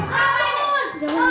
bersihkan baju lagi